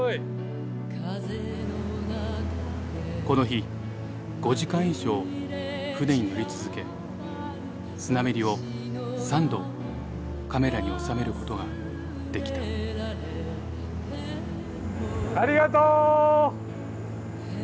この日５時間以上船に乗り続けスナメリを３度カメラに収めることができたありがとう！